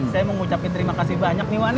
saya mau ngucapin terima kasih banyak nih wak